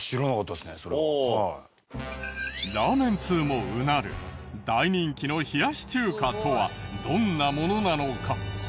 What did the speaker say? ラーメン通もうなる大人気の冷やし中華とはどんなものなのか？